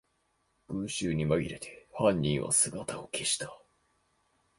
群集にまぎれて犯人は姿を消した